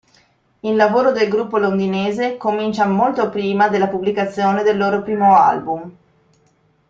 Il lavoro del gruppo londinese comincia molto prima della pubblicazione del loro primo album.